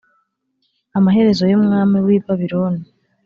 Amaherezo y’umwami w’i Babiloni